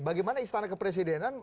bagaimana istana kepresidenan